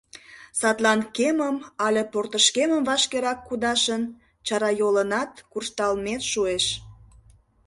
Садлан кемым але портышкемым вашкерак кудашын, чарайолынат куржталмет шуэш.